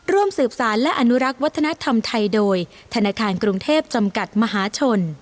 ร่วมสืบสารและอนุรักษ์วัฒนธรรมไทยโดยธนาคารกรุงเทพจำกัดมหาชน